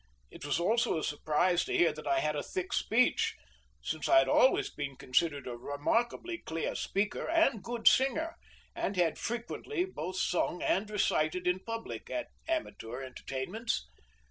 It was also a surprise to hear that I had a thick speech, since I had always been considered a remarkably clear speaker and good singer, and had frequently both sung and recited in public, at amateur entertainments.